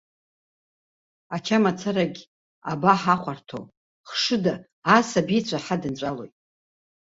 Ача мацарагьы абаҳахәарҭоу, хшыда, асабицәа ҳадынҵәалоит!